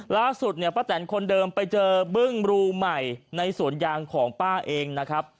ล่าสุดเนี่ยป้าแตนคนเดิมไปเจอบึ้งรูใหม่ในสวนยางของป้าเองนะครับ